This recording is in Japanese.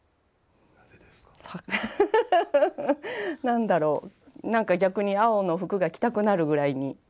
ハハハハハ何だろう何か逆に青の服が着たくなるぐらいに。